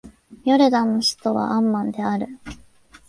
ヨルダンの首都はアンマンである